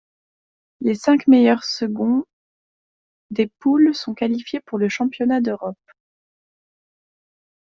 Les cinq meilleurs seconds des poules sont qualifiés pour le championnat d'Europe.